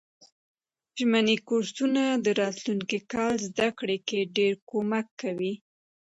ژمني کورسونه د راتلونکي کال زده کړو کی ډیر کومک کوي.